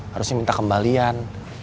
harusnya minta kembalian